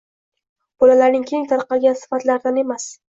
bolalarning keng tarqalgan sifatlaridan emas.